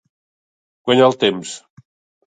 Guanyar el temps.